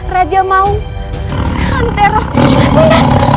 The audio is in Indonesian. raja maung santero basundan